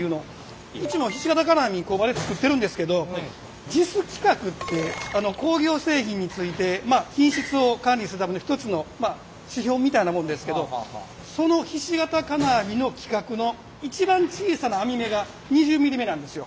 うちもひし形金網工場で作ってるんですけどＪＩＳ規格って工業製品についてまあ品質を管理するための一つの指標みたいなもんですけどそのひし形金網の規格の一番小さな網目が２０ｍｍ目なんですよ。